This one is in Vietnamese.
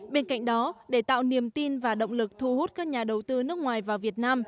bên cạnh đó để tạo niềm tin và động lực thu hút các nhà đầu tư nước ngoài vào việt nam